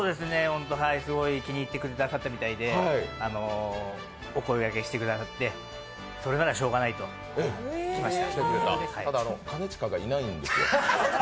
すごい気に入ってくれた方みたいで、お声がけしてくださって、それならしょうがないと来ました。